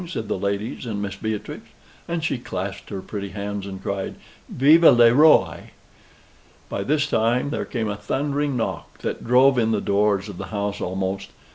said the ladies and Miss Beatrix; and she clapped her pretty hands, and cried, "Vive le Roy." By this time there came a thundering knock, that drove in the doors of the house almost.